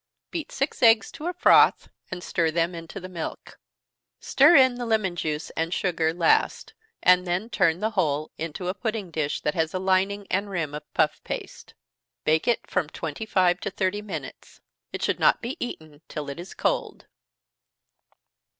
Beat six eggs to a froth, and stir them into the milk. Stir in the lemon juice and sugar last, and then turn the whole into a pudding dish that has a lining and rim of puff paste. Bake it from twenty five to thirty minutes. It should not be eaten till it is cold.